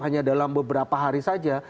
hanya dalam beberapa hari saja